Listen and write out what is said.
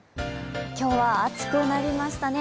今日は暑くなりましたね。